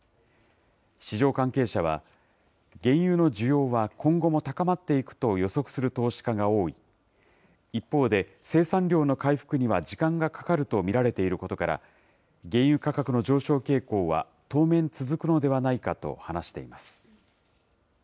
市場関係者は、原油の需要は今後も高まっていくと予測する投資家が多い、一方で、生産量の回復には時間がかかると見られていることから、原油価格の上昇傾向は当面、続くのではないかと話しています。